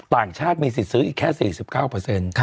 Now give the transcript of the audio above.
ต่างชาติมีสิทธิ์ซื้ออีกแค่๔๙